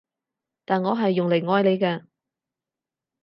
但我係用嚟愛你嘅